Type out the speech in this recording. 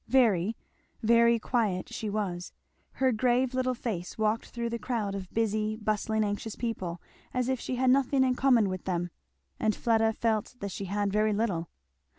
Very, very quiet she was; her grave little face walked through the crowd of busy, bustling, anxious people, as if she had nothing in common with them; and Fleda felt that she had very little.